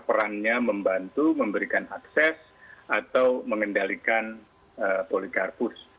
perannya membantu memberikan akses atau mengendalikan polikarpus